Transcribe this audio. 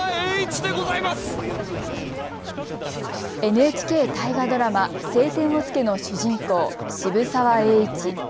ＮＨＫ大河ドラマ、青天を衝けの主人公、渋沢栄一。